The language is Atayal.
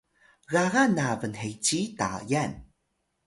gaga na bnheci Tayal